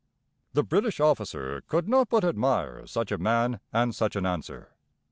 The British officer could not but admire such a man and such an answer.